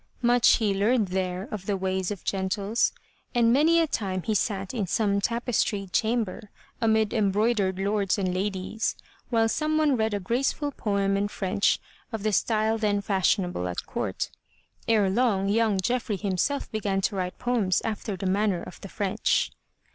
Much he learned there of the ways of gentles, and many a time he sat in some tapestried chamber, amid embroidered lords and ladies, while someone read a graceful poem in French of the style then fashionable at court. Ere long, young Geoffrey him self began to write poems after the manner of the French.